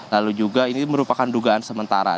lalu juga ini merupakan dugaan sementara